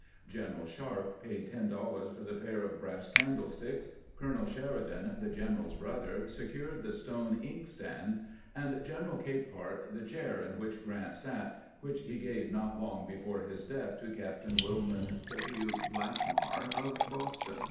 General Sharpe paid ten doUars for the pair of brass candlesticks ; Colonel Sheridan, the general's brother, secured the stone ink stand ; and General Capehart the chair in which Grant sat, which he gave not long before his death to Captain WUmon W. Blackmar of Boston.